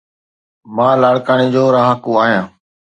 مان لاڙڪاڻي جو رھاڪو آھيان.